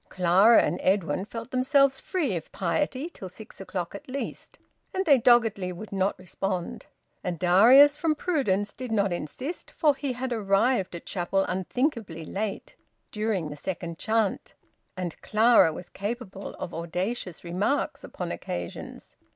Clara and Edwin felt themselves free of piety till six o'clock at least, and they doggedly would not respond. And Darius from prudence did not insist, for he had arrived at chapel unthinkably late during the second chant and Clara was capable of audacious remarks upon occasions.